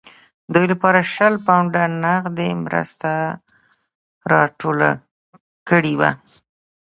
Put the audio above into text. دوی لپاره شل پونډه نغدي مرسته راټوله کړې وه.